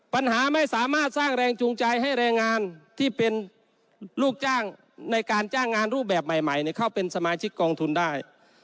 ปัญหาไม่สามารถสร้างแรงจูงใจให้แรงงานที่เป็นลูกจ้างในการจ้างงานรูปแบบใหม่เข้าเป็นสมาชิกกองทุนได้